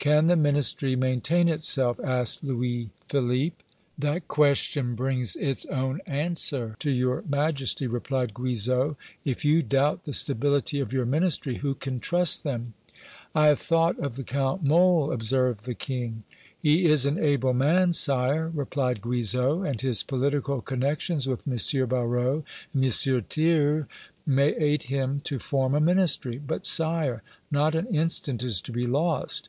"Can the Ministry maintain itself?" asked Louis Philippe. "That question brings its own answer to your Majesty," replied Guizot. "If you doubt the stability of your Ministry, who can trust them?" "I have thought of the Count Mole," observed the King. "He is an able man, sire," replied Guizot; "and his political connections with M. Barrot and M. Thiers may aid him to form a Ministry. But, sire, not an instant is to be lost.